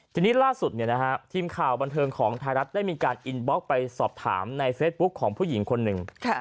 ทีนี้ล่าสุดทีมข่าวบันเทิงของไทยรัฐได้มีการอินบล็อกไปสอบถามในเฟซบุ๊คของผู้หญิงคนหนึ่ง